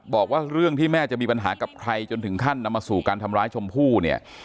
บอกว่าเรื่องที่แม่จะมีปัญหากับใครจนถึงขั้นนำมาสู่การทำร้ายชมพู่เนี่ย